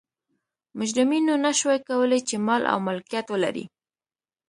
مجرمینو نه شوای کولای چې مال او ملکیت ولري.